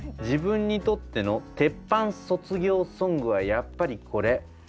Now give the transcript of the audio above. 「自分にとっての鉄板卒業ソングはやっぱりこれ。